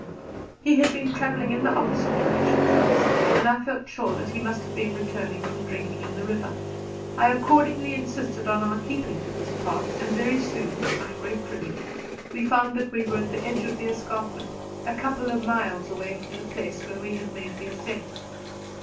He had been travelling in the opposite direction to us, and I felt sure that he must have been returning from drinking in the river. I accordingly insisted on our keeping to this path, and very soon, to my great relief, we found that we were at the edge of the escarpment, a couple of miles away from the place where we had made the ascent.